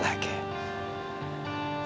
mungkin dia ikut tafakuran